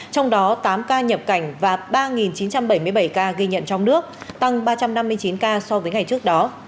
trong đó tám ca nhập cảnh và ba chín trăm bảy mươi bảy ca ghi nhận trong nước tăng ba trăm năm mươi chín ca so với ngày trước đó